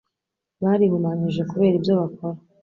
Barihumanyije kubera ibyo bakora